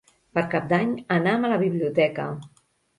Per Cap d'Any anam a la biblioteca.